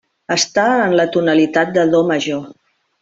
Està en la tonalitat de do major.